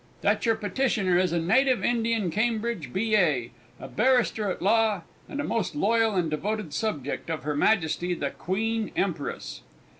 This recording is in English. That your Petitioner is a native Indian Cambridge B.A., a Barrister at law, and a most loyal and devoted subject of Her Majesty the QUEEN EMPRESS.